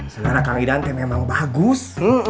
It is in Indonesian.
sedara kak idante memang bagus